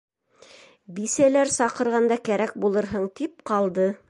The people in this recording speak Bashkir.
Бисәләр саҡырғанда кәрәк булырһың, — тип ҡалды.